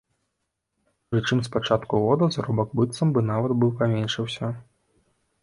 Прычым з пачатку года заробак быццам бы нават паменшыўся.